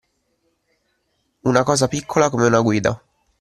Una cosa piccola come una guida